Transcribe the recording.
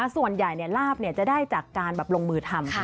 ส่วนใหญ่ลาบจะได้จากการลงมือทำ